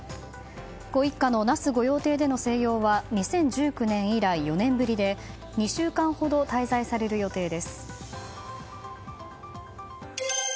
ご一家の那須御用邸での静養は２０１９年以来４年ぶりで２週間ほど滞在される予定です。